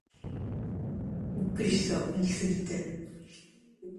It is crucial to customize your search settings for accurate and relevant results.